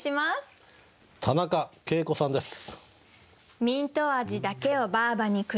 田中啓子さんです。